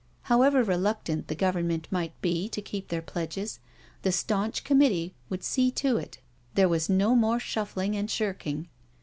However reluctant the Government might be to keep their pledges, the staunch Committee would see to it there was no more shuffling and shirk ing.